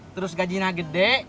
terus gajinya gede